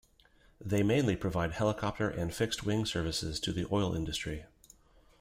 They mainly provide helicopter and fixed-wing services to the oil industry.